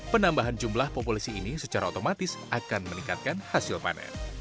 penambahan jumlah populasi ini secara otomatis akan meningkatkan hasil panen